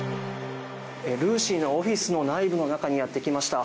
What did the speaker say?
ＲＵＳＩのオフィスの内部の中にやってきました。